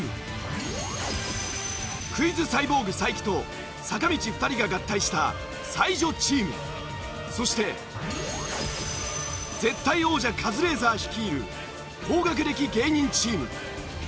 クイズサイボーグ才木と坂道２人が合体したそして絶対王者カズレーザー率いる高学歴芸人チーム。